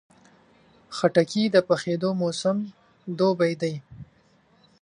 خټکی د پخېدو موسم دوبی دی.